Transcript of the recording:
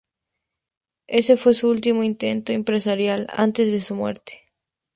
Ese fue su último intento empresarial antes de su muerte.